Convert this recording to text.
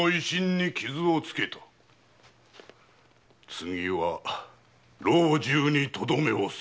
次は老中にとどめを刺す。